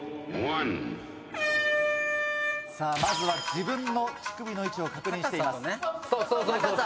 まずは自分の乳首の位置を確認しています。